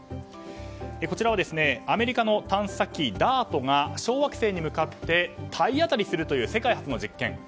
こちらはアメリカの探査機「ＤＡＲＴ」が小惑星に向かって体当たりするという世界初の実験。